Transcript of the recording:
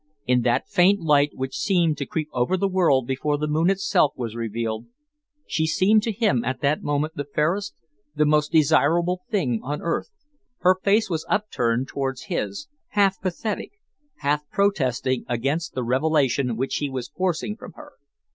In that faint light which seemed to creep over the world before the moon itself was revealed, she seemed to him at that moment the fairest, the most desirable thing on earth. Her face was upturned towards his, half pathetic, half protesting against the revelation which he was forcing from her.